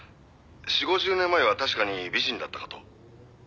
４０５０年前は確かに美人だったかと」